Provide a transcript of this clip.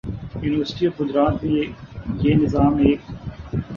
university of Gujarat میں یہ نظام ایک